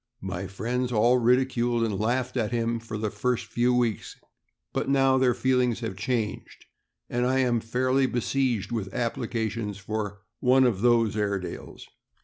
My friends all ridiculed and laughed at him for the first few weeks, but now their feelings have changed, and I am fairly besieged with applications for "one of those Airedales."